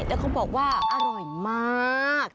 แล้วเขาบอกว่าอร่อยมาก